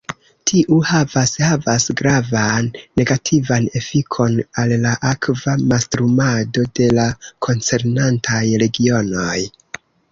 Tiu havas havas gravan negativan efikon al la akva mastrumado de la koncernantaj regionoj.